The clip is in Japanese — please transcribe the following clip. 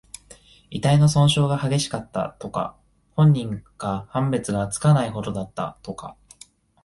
遺体の損傷が激しかった、とか。本人か判別がつかないほどだった、とか。